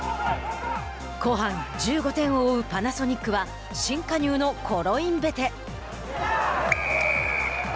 後半、１５点を追うパナソニックは新加入のコロインベテ。